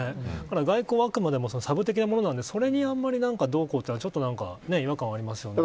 外交はあくまでもサブ的なものなのでそれに、あんまりどうこうというのは違和感がありますよね。